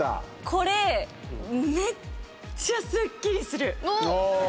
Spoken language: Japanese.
これ、めっちゃスッキリする！